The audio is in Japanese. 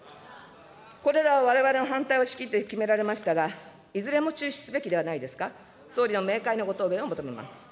これらはわれわれの反対を押し切って決められましたが、いずれも中止すべきではないですか、総理の明快なご答弁を求めます。